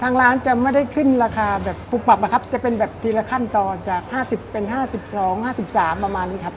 ทางร้านจะไม่ได้ขึ้นราคาแบบปุบปับนะครับจะเป็นแบบทีละขั้นตอนจาก๕๐เป็น๕๒๕๓ประมาณนี้ครับ